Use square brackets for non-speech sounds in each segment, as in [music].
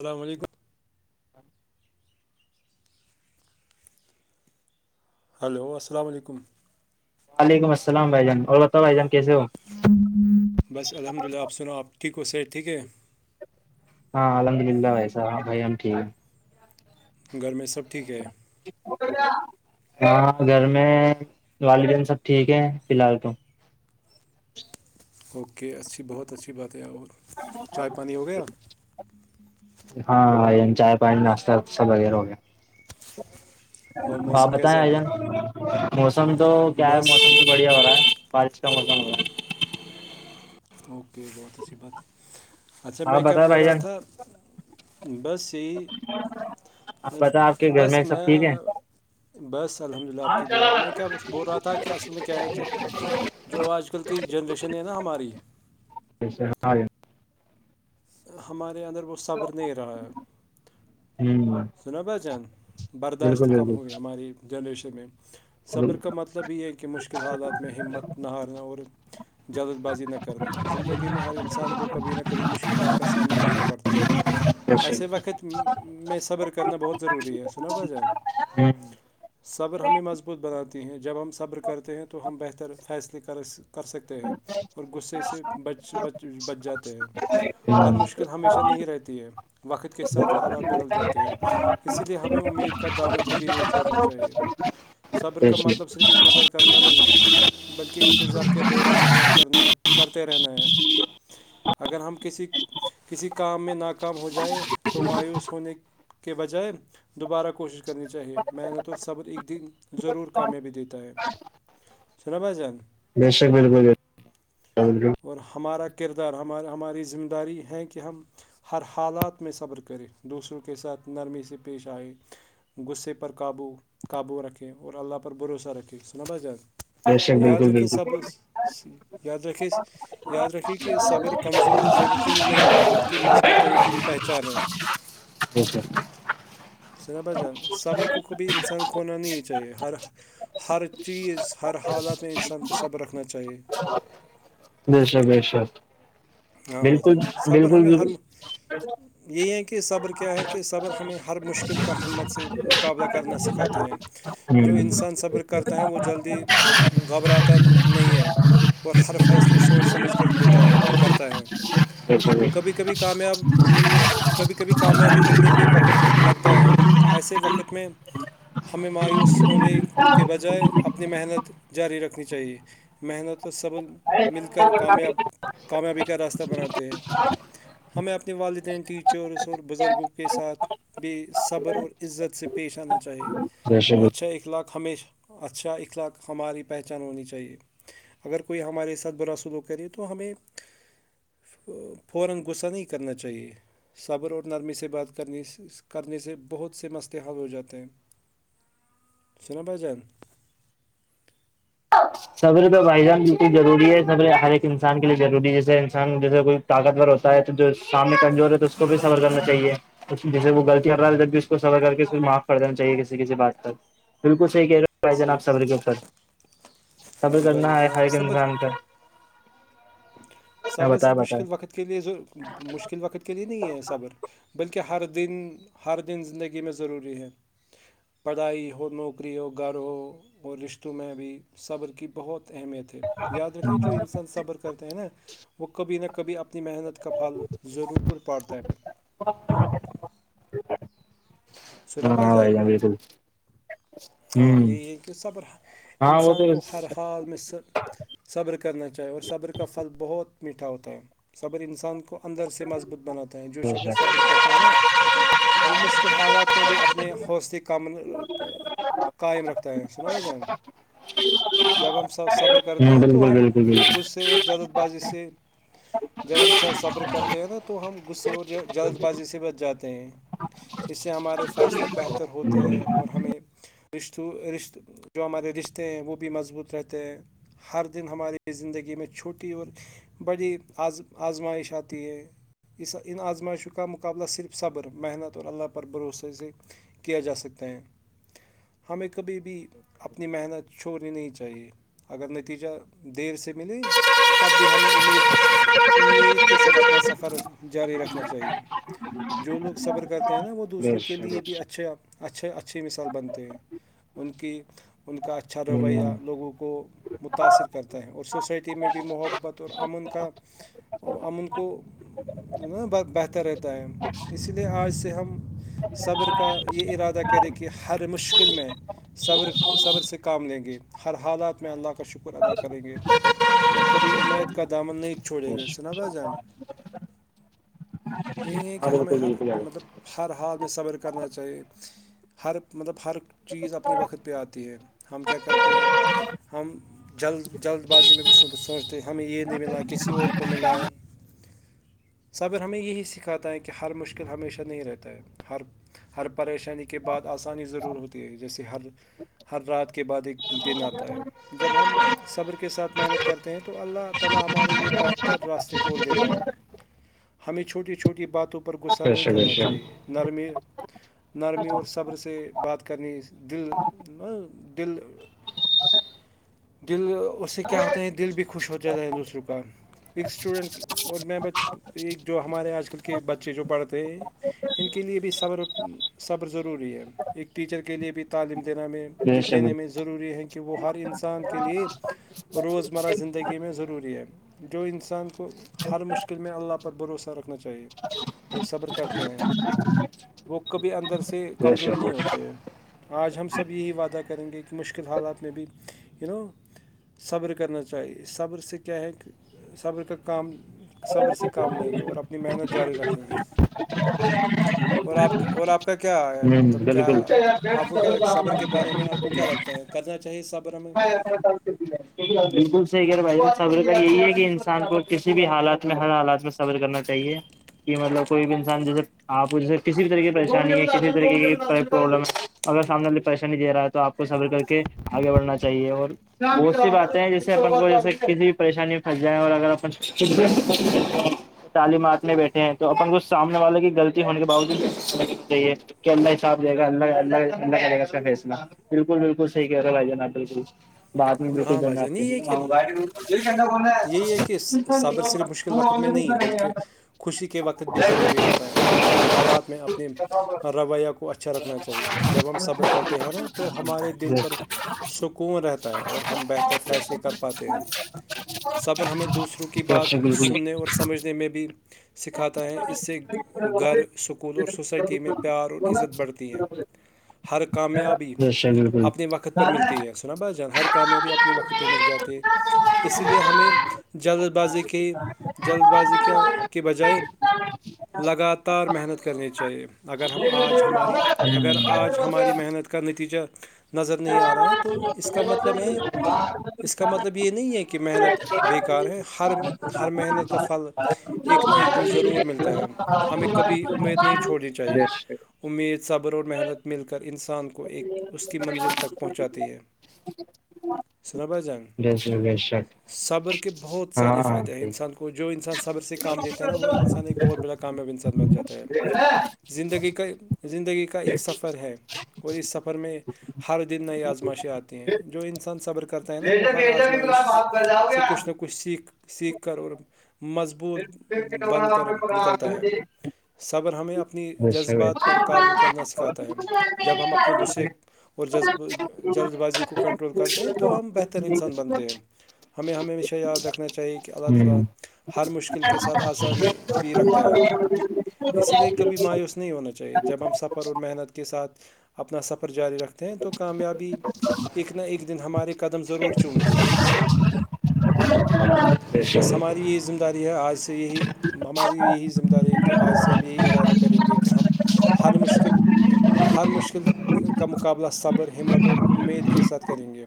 اسلام علیکم [inaudible] ہلو السلام علیکم وعلیکم السلام بھائی جان اور بتاؤ بھائی جان کیسے ہو بس الحمد لللہ آپ سناؤ آپ ٹھیک ہو صحت ٹھیک ہے ہاں الحمد لللہ ویساح بھائی ہم ٹھیک ہیں گھر میں سب ٹھیک ہے ہاں گھر میں والدین سب ٹھیک ہے فلحل تو اوکے اچھی بہت اچھی بات ہے اور ہ چائے پانی ہو گیا ہاں چائے پانی ناشہ سب وغیرہ ہو گیا اور ہاں موسم بتیں کیسا ہے آ جان ادھر موسم تو کیا ہے بس موسم تو بڑھیا ہو رہا ہے بارش کا موسم ہو رہا ہے اوکے بہت اچھی بات ہے اچھا آپ میں کیا بتائیں بول بھائی رہا جان تھا بس یہی آپ بتائیں آپ کے گھر بس سب میں ٹھیک ہے بس الحمد للہ آپ کی دعا میں کیا بول رہا تھا کہ اصل میں کیا ہے کہ جو آج کل کی جنریشن ہے نا ہماری جیسے ہاںار ہمارے اندر وہ صبر نہیں رہا ہے ہوں سنا بھ جان برداشت بالکل کم بالکل ہوئی ہماری جنریشن میں صبر کا مطلب یہ ہے کہ مشکل حالات میں ہمت نہ ہارنا اور جلد بازی نہ کرنا زندگی میں ہر سان کو کبھی نہ کبھی مشکلات کا سامنا کرنا پڑتا ہے بے ایسے شک وقت میں سے صبر کرنا بہت ضروری ہے سنا بھ جان ہوں صبر ہمیں مضبوط بناتی ہیں جب ہم صبر کرتے ہیں تو ہم بہتر فیصلے کر کر سکتے ہیں اور غصے سے بچ بچ بچ جاتے ہیں ہر ہوں، مشکل ہمیشہ نہیں رہتی ہے وقت کے ساتھ حالات بدل جاتے ہیں اسی لیے ہمیں امید کا دامن کبھی نہیں چھوڑنا چاہیے صبر بے کا مطلب شک صرف انتظار کرنا نہیں بلکہ انتظار کے دوران محنت کرنا کرتے رہنا ہے اگر ہم کسی کسی کام میں ناکام ہو جائےیں تو مایوس ہونے کے بجائے دوبارہ کوشش کرنی چاہیے محنت اور صبر ایک دن ضرور کامیابی دیتا ہے سنا جان دیش بل اور ہمارا کردار ہمار ہماری ذمہ داری ہے کہ ہم ہر حالات میں صبر کرے دوسروں کے ساتھ نرمی سے پیش آئے [inaudible] بے شک یاد بالکل رکھے بالکل صبر یاد رکھے یاد رکھے کہ صبر کے کمزور لوگوں کے لیے نہیں بلکہ مضبوط لوگوں کے لیے پہچان ہے جچ سر سنا بہ جان صبر کو کبھی انسان کھونا نہیں چاہیے ہر ہر چیز ہر حالات میں انسان کو صبر رکھنا چاہیے ہاں جش بشت ہاں بجن صبر ہمیں ہر یہ ہے کہ صبر کیا ہے کہ صبر ہمیں ہر مشکل کا ہمت سے مقابلہ کرنا سکھاتے ہیں جو بالکل ہ انسان صبر کرتا ہے وہ جلدی گھبراتا نہیں ہے اور ہر فیصلے سوچ سمجھ کر لیتا ہے کرتا ہے بے شک بے کبھی کبھی کامیاب ملنے کبھی کبھی کامیابی ملنے پہ وقت لگتا ہے ایسے وقت میں ہمیں مایوس ہونے کے بجائے اپنی محنت جاری رکھنی چاہیے محنت اور سب مل کر کامیاب شک کامیابی کا راستہ بناتے ہیں ہمیں اپنے والدین ٹیچرس اور بزرگوں کے ساتھ بھی صبر اور عزت سے پیش آنا چاہیے بے شک اچھا اخلاق ہشہ اچھا اخلاق ہماری پہچان ہونی چاہیے اگر کوئی ہمارے ساتھ برا سلو کرے تو ہمیں [inaudible] صبر اور نرمی سے بات کرنی کرنے سے بہت سے مست حال ہو جاتے ہیں شناہ بجان سبر پہ بھائی جان بٹی ضروری ہے سبر ہر ایک انسان کے لیے ضروری ہے جیسے جیسے کوئی طاقت ور ہوتا ہے تو جو سامنے کمزور ہے تو اس کو بھی سفر کرنا چاہیے جیسے وہ غلطی ہ رہا ہے جب بھی اس کو سفر کر کے اس کو معاف کر دا چاہیے کسی کسی بات پر بالکل صح کہہ رہے جان صحیح آب صبر کے اوپر صبر بھائی کرنا جان ہے ہر ہاں ایک صبر انظان کا ہاں صبر بتایا صرف بتایا مشکل وقت کے لئے مشکل وقت کے لئے نہیں ہے صبر بلکہ ہر دن ہر دن زندگی میں ضروری ہے پڑھائی ہو نوکری ہو گھر ہو اور رشتوں میں ابھی صبر کی بہت اہمیت ہے یاد رکھے جو انسان صبر کا کرتے ہیں نا وہ کبھی نہ کبھی اپنی محنت کا پھل ضرور پاڑتا ہے سنا بھائی ہاں بائی جان بالکل ہ ہاں یہ ہے کہ صبر ہاں وہ تو انسان کو ہر حال میں صبر کرنا چاہیے اور صبر کا پھل بہت میٹھا ہوتا ہے صبر انسان کو اندر سے مضبوط بناتا ہے جو ہ شکص صبر کرتا ہے نا وہ مشکل حالات میں بھی اپنے حوصل کم قائم رکھتا ہے نا ب جان جب ہم صبر کرتے ہیں بالکل تو ہم بالکل بالکل غصے اور جلت بازی سے جب ہم صبر کرتے ہیں نا تو ہم غصے اور جلد بازی سے بچ جاتے ہیں اس سے ہمارے فیصلے بہتر ہوتے ہیں اور ہمیں رشتوں رشت جو ہمارے رشتے ہیں وہ بھی مضبوط رہتے ہیں ہر دن ہماری زندگی میں چھوٹی اور بڑی آزم آزمائش آتی ہے اس ا ان ازماءش کا مقابلہ صرف صبر محنت اور اللہ پر بھروہ سے کیا جا سکتا ہے ہمیں کبھی بھی اپنی محنت چھوڑنی نہیں چاہیے اگر نتیجہ دیر سے ملے تب بھی ہمیں امید امید کے ساتھ اپنا سفر جاری رکھنا چاہیے جو لوگ صبر کرتے ہیں نا وہ دوسروں بیش کے لئے بیش بھی اچھے اچھے اچھی مثال بنتے ہیں ان کی ان کا اچھا رویہ لوگوں کو متاثر کرتا ہے اور سوسائٹی میں بھی محبت بطور امن کا امن کو بہتر رہتا ہے اسی لیے آج سے ہم صبر کا یہ ارادہ کرے کہ ہر مشکل میں صبر صبر سے کام لیں گے ہر حالات میں اللہ کا شکر ادا کریں گے اور کبھی امید کا دامن نہیں چھوڑے بیش گئے سنابھ جان یہی ہے کہ ہاں ہمیں بالکل ہر بالکل مطلب ہر حال میں صبر کرنا چاہیے ہر مطلب ہر چیز اپنے وقت پہ آتی ہے ہم کیا کرتے ہیں ہم جلد جلد بازی میں بھی سوچتے ہمیں یہ نہیں ملا کسی اور کو ملا ہے ٹ ہے صبر ہمیں یہی سکھاتا ہے کہ ہر مشکل ہمیشہ نہیں رہتا ہے ہر ہر پریشان پریشانی کے بعد آسانی ضرور ہوتی ہے جیسے ہر ہر رات کے بعد ایک دن آتا ہے جب ہم ذںں ہمیں چھوٹی چھوٹی باتوں پر پر غصہ بیش نہیں کرنا بیش چاہیے نرمی نرمی اور صبر سے بات کرنی دل دل ا دل اس سے کیا ہوتا ہے دل بھی خوش ہو جاتا ہے دوسر کا ایک اسٹوڈنٹ اور میں ب ایک جو ہمارے آج کل کے بچے جو پڑھتے ہیں ان کے لیے بھی صبر صبر ضروری ہے ایک ٹیچر کے لیے بھی تعلیم دینا میں بیش دینے میں ضروری ہے کہ وہ ہر انسان کے لیے روز مرہ زندگی میں ضروری ہے جو انسان کو ہر مشکل میں اللہ پر بھروسہ رکھنا چاہیے وہ صبر کرتے ہیں وہ کبھی اندر سے کمزور نہیں ہوتا آج ہم سب یہی وعدہ کریں گے کہ مشکل حالات میں بھی یو نو صبر کرنا چاہیے صبر سے کیا کیا ہےک کہ صبر کا کام صبر سے کام لیں گے اور آپ انی محنت جاری رکھیں گے اور آپ کا اور آپ کا کیا ہے مطلب بیش کیا بالکل آپ کو کیا لگ صبر کے بارے میں آپ کو کیا لگتا ہے کرنا چاہیے صبر ہمیں ہاں سے ہے بالکل صحیح ہے بھائی صبر تو یہی ہے کہ انسان کو کسی بھی حالات میں ہر حالات میں صبر کرنا چاہیے کہ مطلب کوئی بھی انسان جیسے آپ جیسے کسی بھی طریق کی پریشانی ہے کسی بھی طریقے کی پرابلم ہے اگر سامنےے پریشانی دے رہا ہے تو آپ کو سفر کر کے آگے بڑھنا چاہیے اور وہ سی باتیں ہیں جیسے اپن کو جیسے کسی بھی پریشانی میں پھنس جائےیں اور اگر اپ تعلیمات میں بیٹھے ہیں تو اپن کوچھ سامنے والے کی غلطی ہونے کے باوجود چاہیے کہ اللہ ہی صاف دے گا اللہلہلہ کر گا اسنسنا بالکل بالکل صح کہہ رہا بھ جان آ بالکل بعد میں بالکل ہاں بھائی دنا جان آپ نہیں یہ کہ کےوبائل جا بنا یہی ہے کہ صبر صرف مشکل وقت میں نہیں ہے بلکہ خوشی کے وقت بھی ضروری ہوتا ہے ہمیں ہر حالات میں اپنے رویہ کو کو اچھا رکھنا چاہیے جب ہم صبر کرتے ہیں نا تو ہمارے دل پر سک سکون رہتا ہے اور ہم بہتر فیصلے کر پاتے ہیں صبر ہمیں دوسروں کی کے بات اچھا سننے اور سمجھنے میں بھی سکھاتا ہے اس سے گھر اسکول اور سوسائٹی میں پیار اور عزت بڑھتی ہے بالکل ہر کامیابی جشا بالکل اپنے وقت پر ملتی ہے سر سنا بس جان ہر کام میں بھی اپنے وقت پہ مل جاتے ہمیں جلد بازی کی جلد بازی کے بجائے لگاتار محنت کرنی چاہیے اگر ہم آج ہماری اگر آج ہماری محنت کا نتیجہ نظر نہیں آ رہا ہے تو اس کا مطلب ہے اس کا مطلب یہ بے نہیں ہے ک محنت بےیکار ہے ہر ہر محنت کا پھل ایک نہ ایک دن ضرور ملتا ہے ہمیں کبھی امید نہیں چھوڑنی چاہیے شک امید صبر اور محنت مل کر انسان کو کو ایک اس کی منزل تک پہنچاتی ہے جیس جی شک صابر کے بہت سارے ہاں فائدے ہیں صحیح ہے انسان کو وہ جو انسان صبر سے کام لیتا ہے نا وہ انسان ایک بہت بڑا کامیاب انسان بن جاتا ہے زندگی کا زندگی کا ایک سفر ہے اور اس سفر میں ہر دن نئی آزمائشیں آتی ہیں جو انسان صبر کرتا ہے نا وہ ہر آزمائش سے کچھ نہ کچھ سیکھ سیکھ کر اور مضب ثبوت بند کر نکلتا ہے صبر ہمیں اپنی جذبات پر قابو کرنا سکھاتا ہے جب ہم اپنے غصے اور ج جلد بازی کو کنٹرول کرتے ہیں تو ہم بہتر انسان بنتے ہیں بتایا ہے ہمیں ہمیشہ یاد رکھنا چاہیے کہ اللہ تعالی ہر مشکل کے ساتھ آسانی بھی رکھتا ہے اسی لیے کبھی مایوس نہیں ہونا چاہیے جب ہم سفر اور محنت کے ساتھ اپنا سفر جاری رکھ ہیں تو کامیابی ایک نہ ایک دن ہمارے قدم ضرور چومتی ہے بس ہماری ذہ داری ہے آج سے یہی ہماری یہی ذمہ داری ہے کہ آج سے ہم یہی ارادہ کریں گے کہ ہم ہر مشکل ہر مشکل کا مقابلہ صبر ہمت اور امید کے ساتھ کریں گے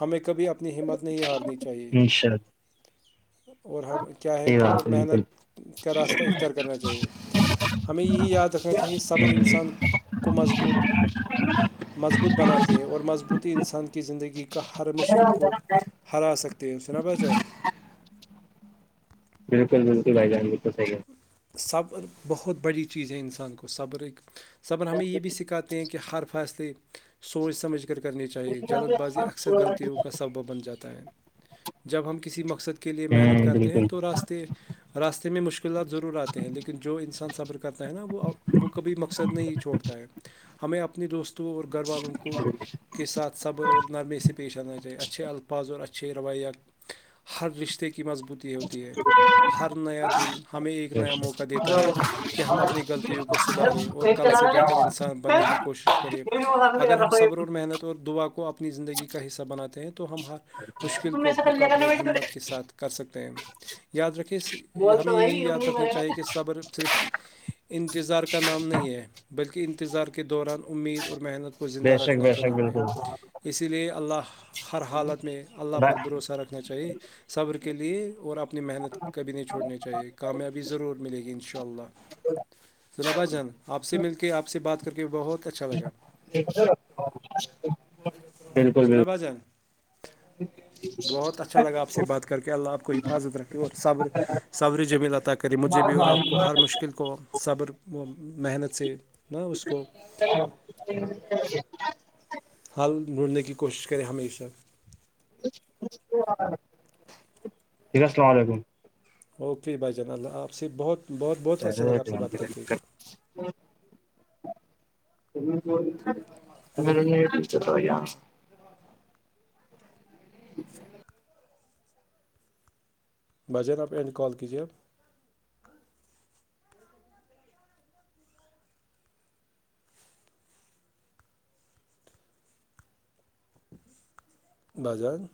ہمیں کبھی اپنی ہمت نہیں ہارنی چاہیے اھا اور ہم کیا ہیں صحیح کہ اور بات ہے بالکل محنت کا راستہ اختیار کرنا چاہیے ہمیں یہی یاد رکھنا چاہیے صبر انسان کو مضبوط مضبوط بناتے ہیں اور مضبوط انسان کی زندگی کا ہر مشکل کو ہرا سکتے ہیں سناا بھا جان بالکل بالکل بھ جان بالکل صح ہے صبر بہت بڑی چیز ہے انسان کو صبر ایک صبر ہمیں یہ بھی سکھاتا کہ ہر فاصلے سوچ سمجھ کرنی چاہیے جلد بازی اکثر غلطیوں کا سبب بن جاتا ہے جب ہم کسی مقصد کے کے لئے محنت کرتے ہیں تو راستے میں مشکلات ضرور ہیں لیکن جو انسان صبر کرتا ہے نا وہ وہ کبھی مقصد نہیں چھوڑتا ہے ہمیں اپنے دوستوں اور گھر والوں کو کے ساتھ ات صبر اور نرمی سپیشانا چاہے اچھھی الفاظ اور اچھ روایات ہر رشتے کی مضبوطی ہوتی ہے ہر نیا دن ہمیں ایک نیا موقع دیتا ہے کہ ہم اپنی غلطیوں کو سداریں اور کل سے بہتر انسان بننے کی کوشش کو کرے ہوں اگر ہم صبر اور محنت اور دعا کو اپنی زندگی کا حصہ بناتے ہیں تو ہم ہر مشکل کو مقابلے بالکل ہمت کے ساتھ کر سکتے ہیں یاد رکھے بول ہمیں تو وہی یہی ا یاد رکھ چاہیے بر کہ صبر صرف انتظار کا نام نہیں ہے بلکہ انتظار کے دوران امید اور محنت کو زندہ بے شک رکھنا بے کا شک نام ہے بالکل اسی لیے اللہ ہر حالت میں اللہ پر بھروسہ رکھنا چاہیے صبر کے لیے اور اپنی محنت کبھی نہیں چھوڑنی چاہیے کامیاب ضرور ملے گی ان شاء اللہ تو نبا جان آپ سے مل کے آپ سے بات کر کے بہت اچھا لگا بالکل سنا بالکل بھاجان اچ بہت اچھا لگا آپ سے بات کر کے اللہ آپ کو حفاظت رکھے اور صبر سوری ج مللاتا کری مجھے بھی اور آپ کو ہر مش مشکل کو صبر وہ محنت سے نہ اس کو [inaudible] حل ڈھونڈنے کی کوشش کریں ہمیشہ یک السلام علیکم اوکے بھائی جان اللہ آپ سے بہت بہت بہت اچھا لگا آپ سے بات کر کے تا بھائی جان آپ اینڈ کال کیجیے آپ بظن